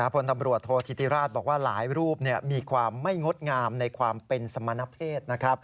พลตำรวจโทษธิติราชบอกว่าหลายรูปมีความไม่งดงามในความเป็นสมณเพศ